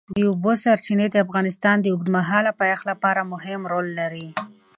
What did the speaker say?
د اوبو سرچینې د افغانستان د اوږدمهاله پایښت لپاره مهم رول لري.